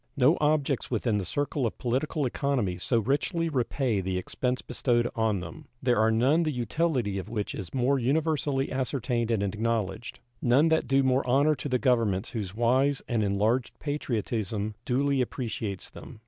No objects within the circle of political economy so richly repay the expense bestowed on them; there are none the utility of which is more universally ascertained and acknowledged; none that do more honor to the governments whose wise and enlarged patriotism duly appreciates them.